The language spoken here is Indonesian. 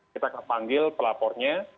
kita akan panggil pelapornya